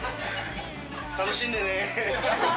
楽しんでね。